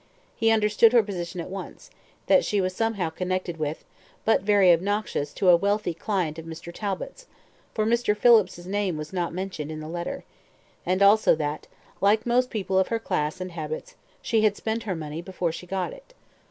He understood her position at once; that she was somehow connected with, but very obnoxious to a wealthy client of Mr. Talbot's, for Mr. Phillips's name was not mentioned in the letter; and also that, like most people of her class and habits, she had spent her money before she got it.